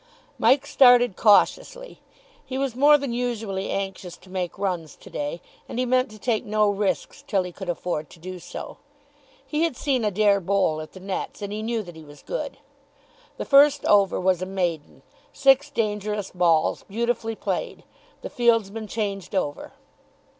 Mike started cautiously. He was more than usually anxious to make runs to day, and he meant to take no risks till he could afford to do so. He had seen Adair bowl at the nets, and he knew that he was good. The first over was a maiden, six dangerous balls beautifully played. The fieldsmen changed over.